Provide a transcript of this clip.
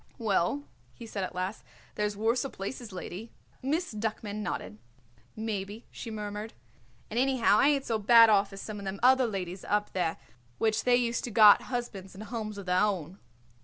"Well," he said at last, "there's worser places, lady." Miss Duckman nodded. "Maybe," she murmured; "and anyhow I ain't so bad off as some of them other ladies up there which they used to got husbands and homes of their own."